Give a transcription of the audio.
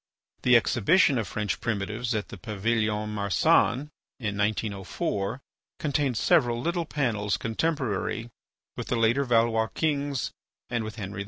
The Exhibition of French Primitives at the Pavilion Marsan in 1904 contained several little panels contemporary with the later Valois kings and with Henry IV.